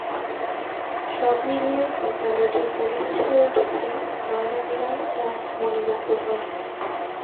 সব মিলিয়ে বিদ্যালয়টির পরিবেশ হয়ে উঠেছে নয়নাভিরাম ও মনোমুগ্ধকর।